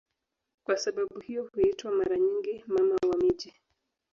Kwa sababu hiyo huitwa mara nyingi "Mama wa miji".